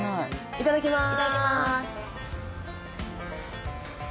いただきます。